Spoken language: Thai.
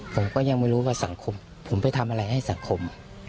ผมก็ยังไม่รู้ว่าสังคมผมไปทำอะไรให้สังคม